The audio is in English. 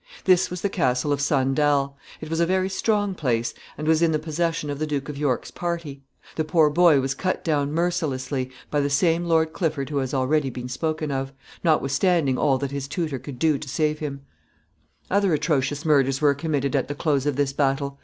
This was the castle of Sandal. It was a very strong place, and was in the possession of the Duke of York's party. The poor boy was cut down mercilessly by the same Lord Clifford who has already been spoken of, notwithstanding all that his tutor could do to save him. [Sidenote: Margaret's cruelties.] [Sidenote: Her exultation.] Other most atrocious murders were committed at the close of this battle.